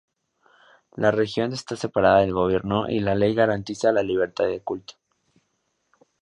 La religión está separada del Gobierno y la ley garantiza la libertad de culto.